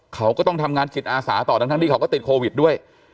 เขาก็ต้องทำงานจิตอาสาต่อทั้งที่เขาก็ติดโควิดด้วย